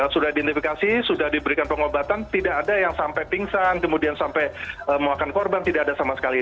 sudah diidentifikasi sudah diberikan pengobatan tidak ada yang sampai pingsan kemudian sampai memakan korban tidak ada sama sekali